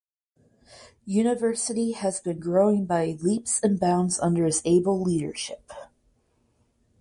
University has been growing by leaps and bounds under his able leadership.